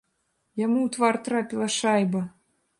Яму у твар трапіла шайба.